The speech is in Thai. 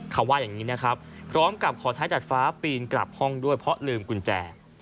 เขาว่าอย่างนี้นะครับพร้อมกับขอใช้ตัดฟ้าปีนกลับห้องด้วยเพราะลืมกุญแจ